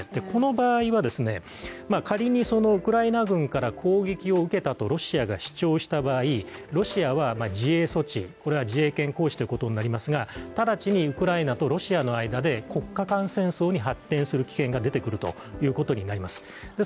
この場合は仮にウクライナ軍から攻撃を受けたとロシアが主張した場合ロシアは自衛措置、これは自衛権行使ということになりますが、直ちにウクライナとロシアの間で、国家間戦争の可能性が出てくるということになります。